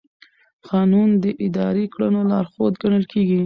قانون د اداري کړنو لارښود ګڼل کېږي.